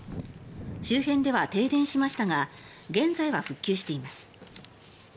周辺では停電しましたが現在は復旧しています。